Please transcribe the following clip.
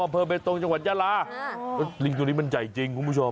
อำเภอเบตงจังหวัดยาลาลิงตัวนี้มันใหญ่จริงคุณผู้ชม